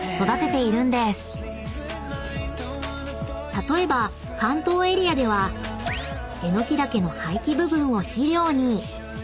［例えば関東エリアではえのき茸の廃棄部分を肥料に］